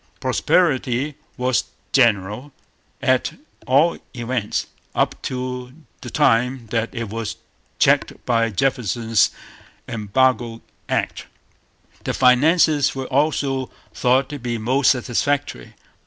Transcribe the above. Prosperity was general; at all events, up to the time that it was checked by Jefferson's Embargo Act. The finances were also thought to be most satisfactory.